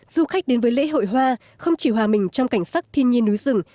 du khách đến với lễ hội hoa không chỉ hòa mình trong cảnh sắc thiên nhiên núi rừng